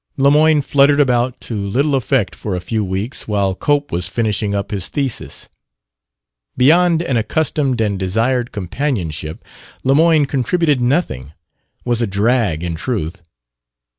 Lemoyne fluttered about to little effect for a few weeks, while Cope was finishing up his thesis. Beyond an accustomed and desired companionship, Lemoyne contributed nothing was a drag, in truth.